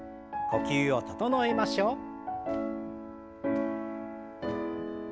呼吸を整えましょう。